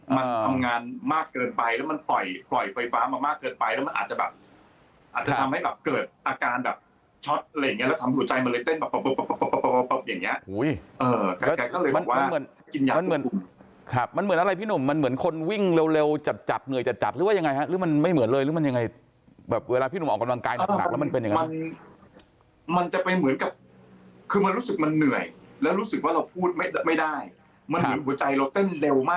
มันทำงานมากเกินไปแล้วมันปล่อยปล่อยไฟฟ้ามามากเกินไปแล้วมันอาจจะแบบอาจจะทำให้แบบเกิดอาการแบบช็อตอะไรอย่างเงี้ยแล้วทำหัวใจมาเลยเต้นแบบแบบแบบแบบแบบแบบแบบแบบแบบแบบแบบแบบแบบแบบแบบแบบแบบแบบแบบแบบแบบแบบแบบแบบแบบแบบแบบแบบแบบแบบแบบแบบแบบแบบแบบแบบแบบ